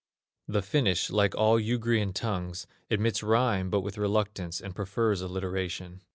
The Finnish, like all Ugrian tongues, admits rhyme, but with reluctance, and prefers alliteration.